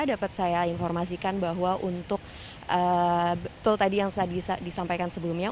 dapat saya informasikan bahwa untuk betul tadi yang sudah disampaikan sebelumnya